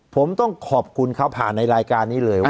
ผมต้องขอบคุณเขาผ่านในรายการนี้เลยว่า